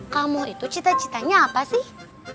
kamu itu cita citanya apa sih